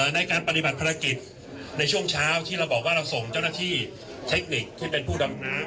ในการปฏิบัติภารกิจในช่วงเช้าที่เราบอกว่าเราส่งเจ้าหน้าที่เทคนิคที่เป็นผู้ดำน้ำ